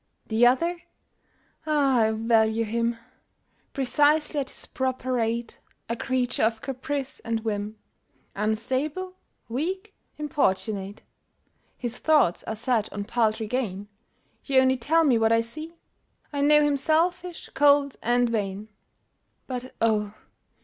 The other! Ah! I value him Precisely at his proper rate, A creature of caprice and whim, Unstable, weak, importunate. His thoughts are set on paltry gain — You only tell me what I see — I know him selfish, cold and vain; But, oh!